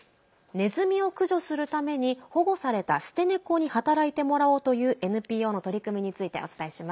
ねずみを駆除するために保護された捨て猫に働いてもらおうというＮＰＯの取り組みについて